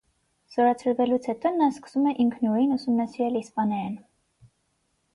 Զորացրվելուց հետո նա սկսում է ինքնուրույն ուսումնասիրել իսպաներեն։